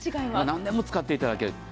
何年間も使っていただける。